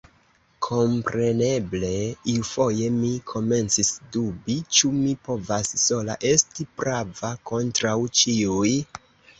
Kompreneble, iufoje mi komencis dubi, ĉu mi povas sola esti prava kontraŭ ĉiuj?